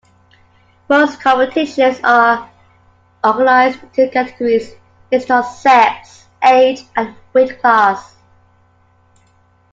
Most competitions are organized into categories based on sex, age, and weight class.